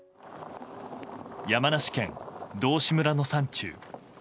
山梨県道志村の山中。